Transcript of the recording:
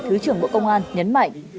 thứ trưởng bộ công an nhấn mạnh